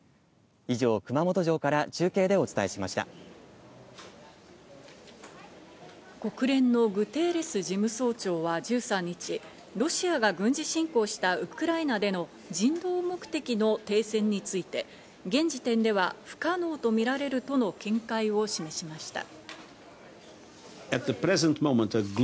以上、熊本城から中継国連のグテーレス事務総長は１３日、ロシアが軍事侵攻したウクライナでの人道目的の停戦について、現時点では不可能とみられるとの見解を示しました。